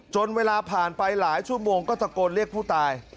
เวลาผ่านไปหลายชั่วโมงก็ตะโกนเรียกผู้ตาย